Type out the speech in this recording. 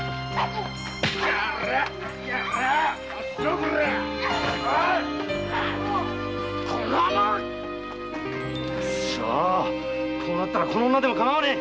くそこうなったらこの女でもかまわねえ！